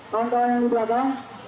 kawan kawan yang di belakang